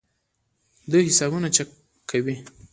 دوی حسابونه چک کوي.